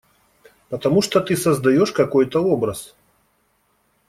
Потому что ты создаешь какой-то образ.